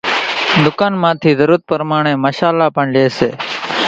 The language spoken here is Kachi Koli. ڌُڪان مان ٿي ضرورت پرماڻي مشالا پڻ لئي سي۔